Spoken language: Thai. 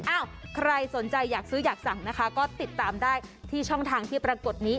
ใครสนใจอยากซื้ออยากสั่งนะคะก็ติดตามได้ที่ช่องทางที่ปรากฏนี้